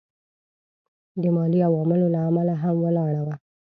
د مالي عواملو له امله هم ولاړه وه.